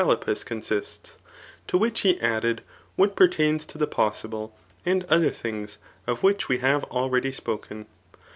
lU the rhetorician CaJippus conasts, to which he added what pertains to the possible, and other tbirigs, of which we have already spoken.